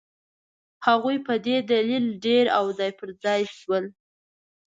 هغوی په دې دلیل ډېر او ځای پر ځای شول.